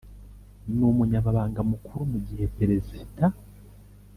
N umunyamabanga mukuru mu gihe peresida